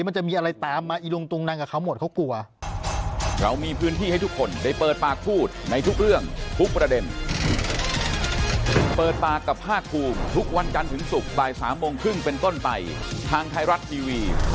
มันจะมีอะไรตามมาอีลุงตุงนังกับเขาหมดเขากลัว